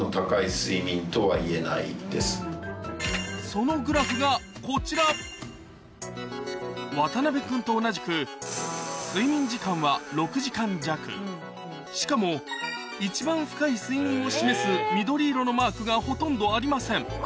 そのグラフがこちら渡辺君と同じくしかも一番深い睡眠を示す緑色のマークがほとんどありません